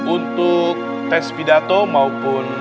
untuk tes pidato maupun